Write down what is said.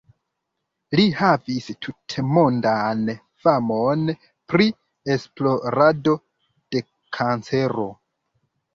Li havis tutmondan famon pri esplorado de kancero.